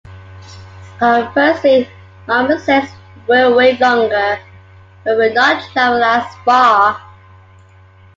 Conversely, marmosets will wait longer, but will not travel as far.